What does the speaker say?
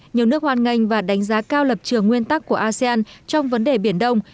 nhiều nước hoan nghênh và đánh giá cao lập trường nguyên tắc của asean trong vấn đề biển đông